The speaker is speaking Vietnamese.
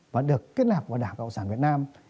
và được kết nạp vào đảng cộng sản việt nam